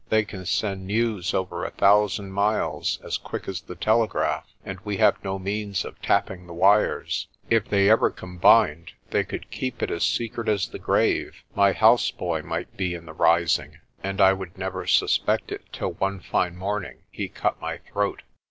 They can send news over a thousand miles as quick as the telegraph, and we have no means of tapping the wires. If they ever combined they could keep it as secret as the grave. My houseboy might be in the rising, MR. WARDLAW'S PREMONITION 73 and I would never suspect it till one fine morning he cut my throat."